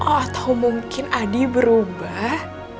atau mungkin adi berubah